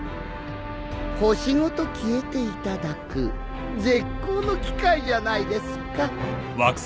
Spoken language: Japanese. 星ごと消えていただく絶好の機会じゃないですか。